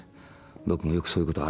僕もよくそういうことあるから。